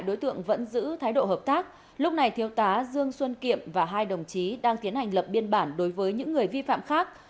đối tượng vẫn giữ thái độ hợp tác lúc này thiếu tá dương xuân kiệm và hai đồng chí đang tiến hành lập biên bản đối với những người vi phạm khác